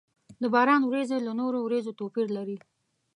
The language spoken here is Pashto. د باران ورېځې له نورو ورېځو توپير لري.